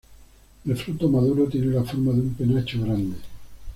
El fruto maduro tiene la forma de un penacho grande.